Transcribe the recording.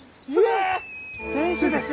天守ですよ。